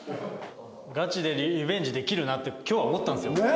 ガチでリベンジできるなって今日は思ったんですよ。